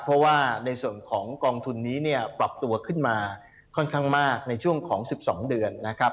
เพราะว่าในส่วนของกองทุนนี้เนี่ยปรับตัวขึ้นมาค่อนข้างมากในช่วงของ๑๒เดือนนะครับ